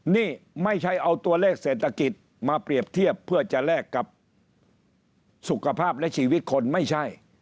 นี่ไม่ใช่เอาตัวเลขเศรษฐกิจมาเปรียบเทียบเพื่อจะแลกกับสุขภาพและชีวิตคนไม่ใช่